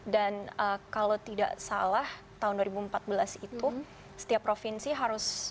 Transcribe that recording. dan kalau tidak salah tahun dua ribu empat belas itu setiap provinsi harus